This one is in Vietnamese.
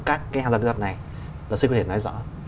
các hàng giáo kỹ thuật này